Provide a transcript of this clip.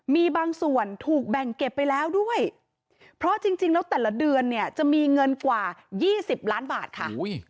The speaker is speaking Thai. มีบางส่วนถูกแบ่งเก็บไปแล้วด้วยเพราะจริงแล้วแต่ละเดือนเนี่ยจะมีเงินกว่า๒๐ล้านบาทค่ะ